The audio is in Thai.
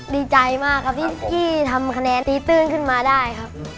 ดีใจมากครับที่ทำคะแนนตีตื้นขึ้นมาได้ครับ